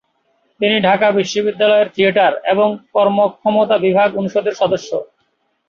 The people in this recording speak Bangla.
তিনি ঢাকা বিশ্ববিদ্যালয়ের থিয়েটার এবং কর্মক্ষমতা বিভাগ অনুষদের সদস্য।